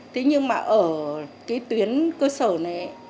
thế nhưng mà ở cái tuyến cơ sở này